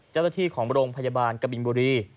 เจ้าหน้าที่ของโรงพยาบาลกบินบุรี